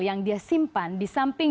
yang dia simpan di samping